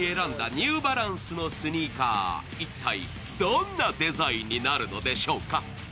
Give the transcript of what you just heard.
一体どんなデザインになるんでしょうか。